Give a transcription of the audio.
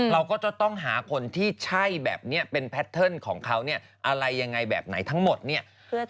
เราก็จะต้องหาคนที่ใช่แบบนี้เป็นแพทเทิร์นของเขาเนี่ยอะไรยังไงแบบไหนทั้งหมดเนี่ย